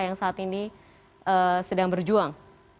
yang saat ini sedang berjuang